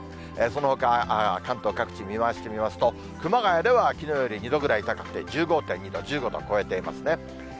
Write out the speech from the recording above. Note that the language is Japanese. そのほか関東各地見回してみますと、熊谷ではきのうより２度ぐらい高くて１５．２度、１５度を超えていますね。